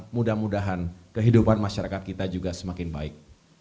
mudah mudahan kehidupan masyarakat kita juga semakin baik